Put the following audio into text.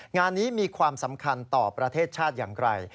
งานนี้มีความสำคัญต่อประเทศชาติอย่างไร